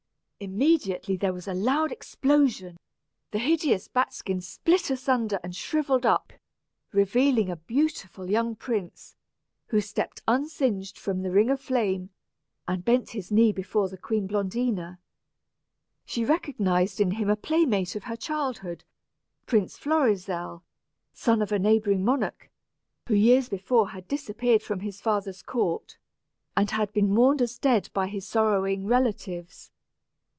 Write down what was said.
Immediately there was a loud explosion; the hideous bat skin split asunder and shrivelled up, revealing a beautiful young prince, who stepped unsinged from the ring of flame, and bent his knee before the Queen Blondina. She recognized in him a playmate of her childhood, Prince Florizel, son of a neighboring monarch, who years before had disappeared from his father's court, and had been mourned as dead by his sorrowing relatives.